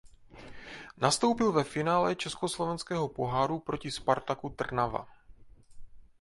Nastoupil ve finále československého poháru proti Spartaku Trnava.